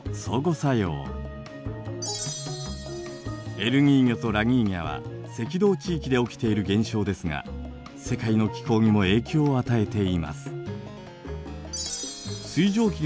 エルニーニョとラニーニャは赤道地域で起きている現象ですが世界の気候にも影響を与えています。